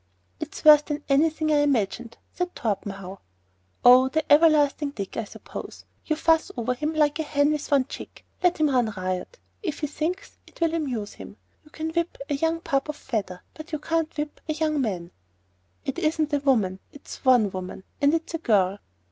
"It's worse than anything I imagined," said Torpenhow. "Oh, the everlasting Dick, I suppose! You fuss over him like a hen with one chick. Let him run riot if he thinks it'll amuse him. You can whip a young pup off feather, but you can't whip a young man." "It isn't a woman. It's one woman; and it's a girl."